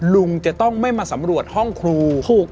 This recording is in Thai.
ลุงจะต้องไม่มาสำรวจห้องครู